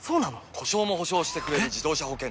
故障も補償してくれる自動車保険といえば？